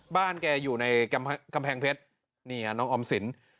บ้านแกอยู่ในกำแพงเพชรนี่น้องออมสิน